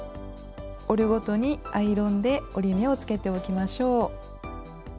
折るごとにアイロンで折り目をつけておきましょう。